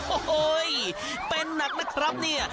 โอ้โหเป็นหนักนะครับเนี่ย